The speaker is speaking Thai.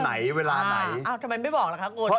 อาร์เทอล์พล์ฟร์ครับ